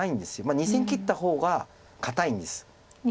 まあ２線切った方が堅いんです。